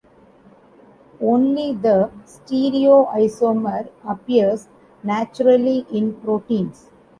Only the -stereoisomer appears naturally in proteins.